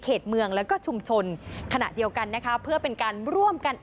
เมืองแล้วก็ชุมชนขณะเดียวกันนะคะเพื่อเป็นการร่วมกัน